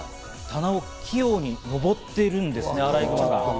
棚を器用に上っているんですね、アライグマ。